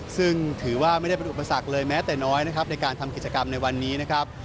ซึ่งถือว่าไม่ได้เป็นอุปสรรคเลยแม้แต่น้อยนะครับในการทำกิจกรรมในวันนี้นะครับ